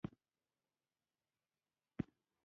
په کنړ کې تېره میاشت یوه قوي زلزله رامنځته شوی وه